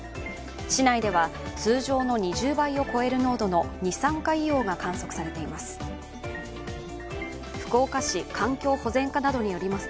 市内では、通常の２０倍を超える濃度の二酸化硫黄が観測されています。